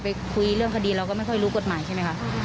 คุยเรื่องคดีเราก็ไม่ค่อยรู้กฎหมายใช่ไหมคะ